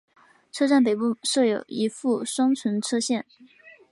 车站北端设有一副双存车线。